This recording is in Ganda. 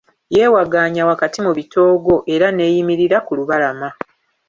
Yeewagaannya wakati mu bitoogo era n'eyimirira ku lubalama.